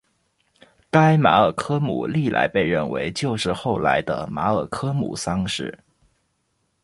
该马尔科姆历来被认为就是后来的马尔科姆三世。